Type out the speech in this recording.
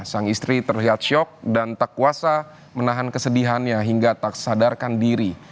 sang istri terlihat syok dan tak kuasa menahan kesedihannya hingga tak sadarkan diri